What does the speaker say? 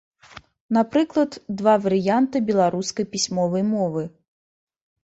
Напрыклад, два варыянты беларускай пісьмовай мовы.